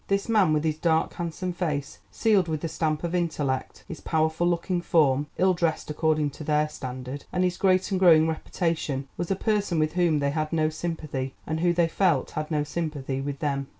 This man with his dark handsome face sealed with the stamp of intellect, his powerful looking form (ill dressed, according to their standard) and his great and growing reputation, was a person with whom they had no sympathy, and who, they felt, had no sympathy with them.